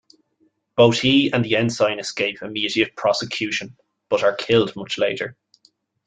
Both he and the ensign escape immediate prosecution but are killed much later.